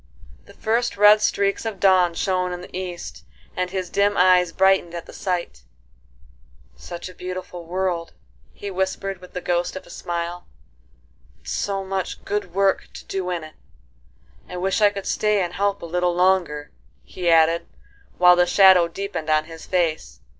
The first red streaks of dawn shone in the east, and his dim eyes brightened at the sight; "Such a beautiful world!" he whispered with the ghost of a smile, "and so much good work to do in it, I wish I could stay and help a little longer," he added, while the shadow deepened on his face.